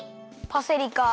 パセリか。